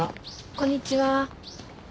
こんにちは。